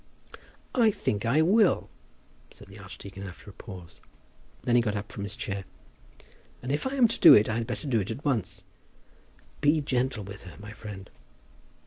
"I think I will," said the archdeacon, after a pause. Then he got up from his chair. "If I am to do it, I had better do it at once." "Be gentle with her, my friend."